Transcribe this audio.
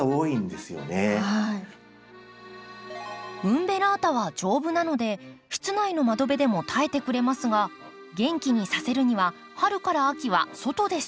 ウンベラータは丈夫なので室内の窓辺でも耐えてくれますが元気にさせるには春から秋は外で育てます。